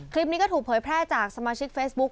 คลิปนี้ก็ถูกเผยแพร่จากสมาชิกเฟซบุ๊ค